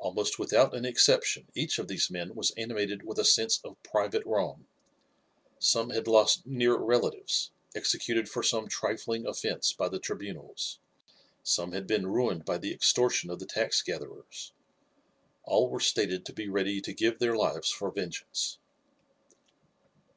Almost without an exception each of these men was animated with a sense of private wrong. Some had lost near relatives, executed for some trifling offence by the tribunals, some had been ruined by the extortion of the tax gatherers. All were stated to be ready to give their lives for vengeance.